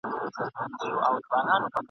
ته به راځې او زه به تللی یمه ..